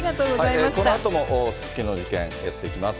このあともすすきのの事件、やっていきます。